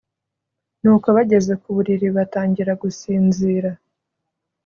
ni uko bageze ku buriri batangira gusinzira